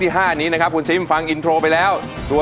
จีบได้แฟนตายแล้วค่ะ